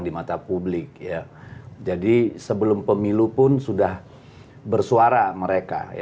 di mata publik ya jadi sebelum pemilu pun sudah bersuara mereka